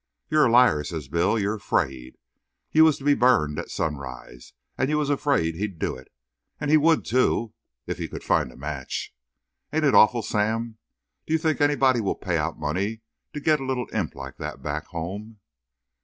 "You're a liar!" says Bill. "You're afraid. You was to be burned at sunrise, and you was afraid he'd do it. And he would, too, if he could find a match. Ain't it awful, Sam? Do you think anybody will pay out money to get a little imp like that back home?"